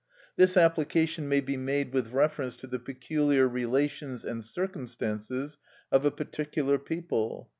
This application may be made with reference to the peculiar relations and circumstances of a particular people.